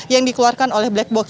yang dikeluarkan oleh black box